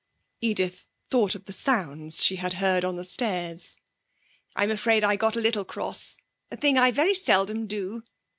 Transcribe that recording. (Edith thought of the sounds she had heard on the stairs.) 'I'm afraid I got a little cross. A thing I very seldom do.'